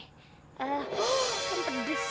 eh kan pedes